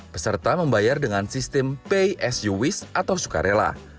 peserta membayar dengan sistem pay as you wish atau sukarela